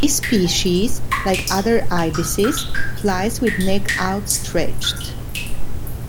This species, like other ibises, flies with neck outstretched.